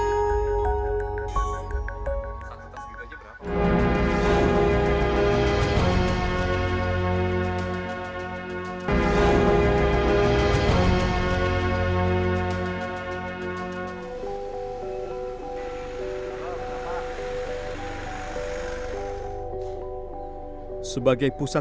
yang terbaik adalah yang terbaik adalah yang terbaik adalah yang terbaik